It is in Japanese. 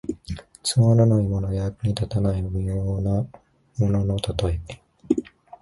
つまらないものや、役に立たない無用なもののたとえ。